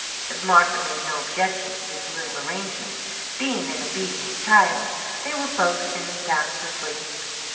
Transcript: As Martha made no objection to this little arrangement, being an obedient child, they were both soon fast asleep.